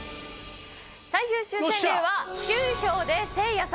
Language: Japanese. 最優秀川柳は９票でせいやさん。